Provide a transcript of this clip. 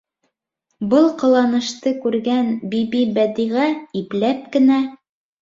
Был ҡыланышты күргән, Бибибәдиғә ипләп кенә: